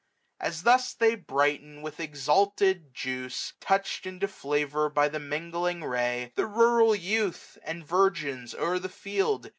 As thus they brighten with exalted juice, Touch'd into flavour by the mingling ray ; The rural youth and virgins o'er the field.